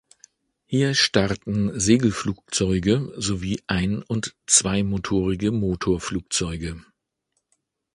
Hier starten Segelflugzeuge sowie ein- und zweimotorige Motorflugzeuge.